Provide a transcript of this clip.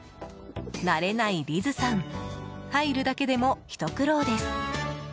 慣れないリズさん入るだけでもひと苦労です。